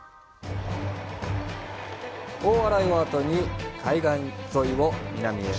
大洗を後に、海岸沿いを南へ。